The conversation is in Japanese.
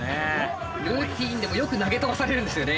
ルーティーンでもよく投げ飛ばされるんですよね。